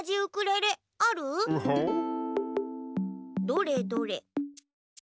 どれどれ。